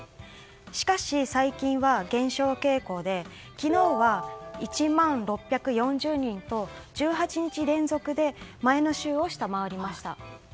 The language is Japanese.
しかし最近は減少傾向で昨日は１万６４０人と１８日連続で前の週を下回りました。